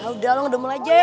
udah long udah mulai aja ya